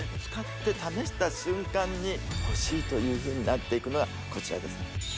使って試した瞬間に欲しいというふうになっていくのがこちらです